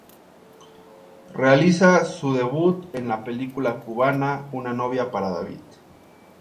Realiza su debut en la película cubana "Una novia para David".